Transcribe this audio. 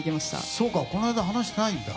そうかこの間話してないんだ。